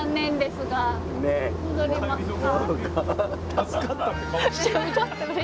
助かったって顔してる。